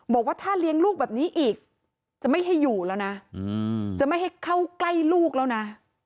บอกว่าถ้าเลี้ยงลูกแบบนี้อีกจะไม่ให้อยู่แล้วนะจะไม่ให้เข้าใกล้ลูกแล้วนะ